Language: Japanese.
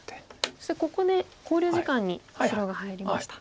そしてここで考慮時間に白が入りました。